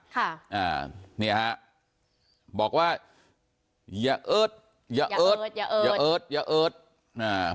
ค่ะอ่าเนี่ยฮะบอกว่าอย่าเอิดอย่าเอิดอย่าเอิดอย่าเอิดอย่าเอิดอ่า